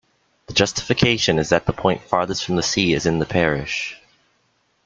The justification is that the point farthest from the sea is in the parish.